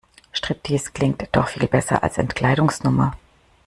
Striptease klingt doch viel besser als Entkleidungsnummer.